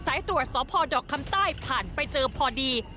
ต่อซ้ายตัวสพดอกคำใต้ผ่านไปเจอพอดี